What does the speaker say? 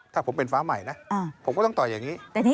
ถ้าผมเป็นฟ้าใหม่นะผมก็ต้องต่อยอย่างนี้